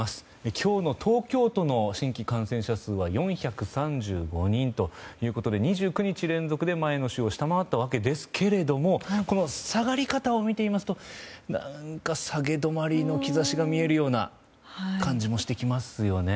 今日の東京都の新規感染者数は４３５人ということで２９日連続で前の週を下回ったわけですけどこの下がり方を見てみますと何か、下げ止まりの兆しが見えるような感じもしてきますよね。